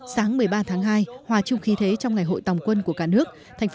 sáng một mươi ba tháng hai hòa chung khí thế trong ngày hội tòng quân của cả nước